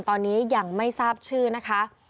ตอนนี้ยังไม่ทราบชื่อนะคะ